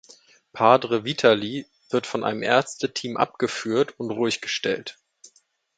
Padre Vitali wird von einem Ärzteteam abgeführt und ruhig gestellt.